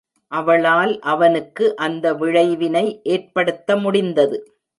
அவளால் அவனுக்கு அந்த விழைவினை ஏற்படுத்த முடிந்தது.